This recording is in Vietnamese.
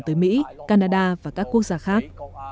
tới mỹ canada và các quốc gia khác